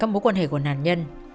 mối quan hệ của nạn nhân